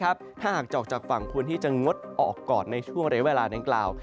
ถ้าหากจะออกจากฝั่งควรที่จะงดออกก่อนในช่วงเรียกเวลาดังกล่าว